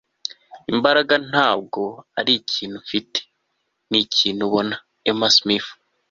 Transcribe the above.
imbaraga ntabwo ari ikintu ufite, ni ikintu ubona. - emma smith